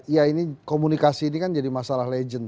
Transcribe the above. ya ini komunikasi ini kan jadi masalah legend